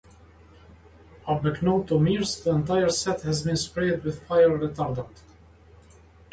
Unbeknownst to Mears, the entire set had been sprayed with fire-retardant.